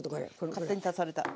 勝手に足された。